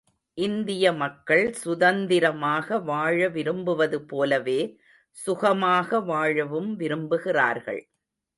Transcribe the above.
இந்திய மக்கள் சுதந்திரமாக வாழ விரும்புவது போலவே சுகமாக வாழவும் விரும்புகிறார்கள்.